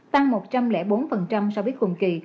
tức bốn so với cùng kỳ